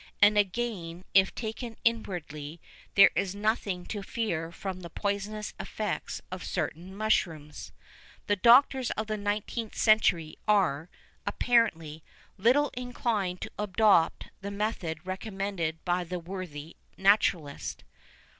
And, again, if taken inwardly, there is nothing to fear from the poisonous effects of certain mushrooms.[VI 3] The doctors of the 19th century are, apparently, little inclined to adopt the method recommended by the worthy naturalist.